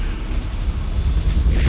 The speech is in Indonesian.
aku mau ke rumah